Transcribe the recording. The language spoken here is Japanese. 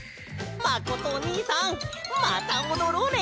まことおにいさんまたおどろうね。